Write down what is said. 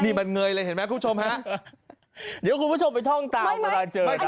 นี่มันเงยเลยเห็นไหมคุณผู้ชมฮะเดี๋ยวคุณผู้ชมไปท่องตามเวลาเจอกัน